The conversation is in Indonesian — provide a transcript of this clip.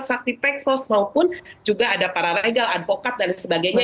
sakti peksos maupun juga ada paralegal advokat dan sebagainya